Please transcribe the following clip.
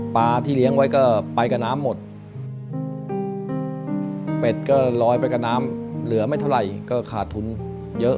ที่เลี้ยงไว้ก็ไปกับน้ำหมดเป็ดก็ลอยไปกับน้ำเหลือไม่เท่าไหร่ก็ขาดทุนเยอะ